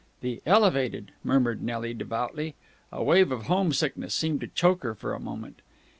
"The Elevated!" murmured Nelly devoutly. A wave of home sickness seemed to choke her for a moment.